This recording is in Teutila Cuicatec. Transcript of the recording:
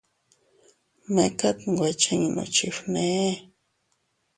Mekat nwe chiinnu chifgnee.